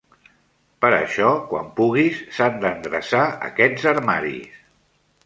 Per això, quan puguis, s'han d'endreçar aquests armaris.